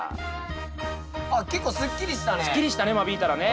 あっ結構すっきりしたね。